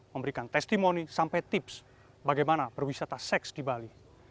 memberikan testimoni sampai tips bagaimana berwisata seks di bali